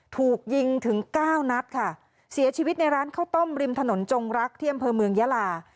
ถูกยิงถึงเก้านัดค่ะเสียชีวิตในร้านข้าวต้มริมถนนจงรักที่อำเภอเมืองยาลา